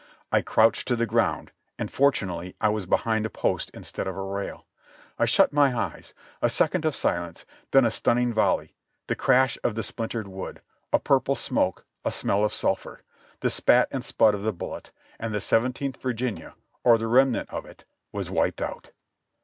I crouched to the ground, and fortunately I was behind a post instead of a rail ; I shut my eyes ; a second of silence, then a stunning volley, the crash of the splintered wood, a purple smoke, a smell of sulphur, the spat and spud of the bullet, and the Seventeenth Virginia, or the remnant of it, was wiped out.